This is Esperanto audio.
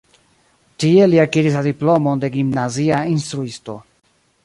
Tie li akiris la diplomon de gimnazia instruisto.